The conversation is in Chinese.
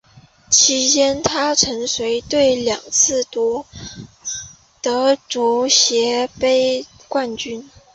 期间她曾随队两次夺得足协杯冠军。